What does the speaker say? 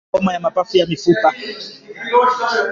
Homa ya mapafu ya mifugo